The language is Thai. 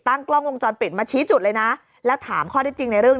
กล้องวงจรปิดมาชี้จุดเลยนะแล้วถามข้อที่จริงในเรื่อง